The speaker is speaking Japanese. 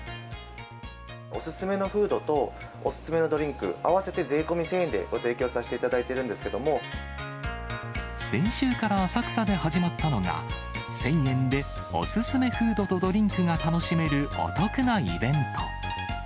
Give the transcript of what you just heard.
お勧めのフードと、お勧めのドリンク合わせて税込み１０００円でご提供させていただ先週から浅草で始まったのが、１０００円でお勧めフードとドリンクが楽しめる、お得なイベント。